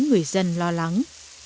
người dân lo lắng